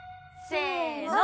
せの！